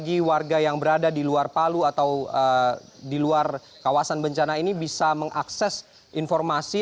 jadi warga yang berada di luar palu atau di luar kawasan bencana ini bisa mengakses informasi